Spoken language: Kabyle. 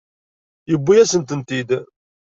Yewwi-yasen-ten-id.